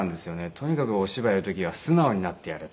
「とにかくお芝居をやる時は素直になってやれ」と。